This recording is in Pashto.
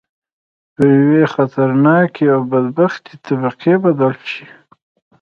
پر یوې خطرناکې او بدبختې طبقې بدل شي.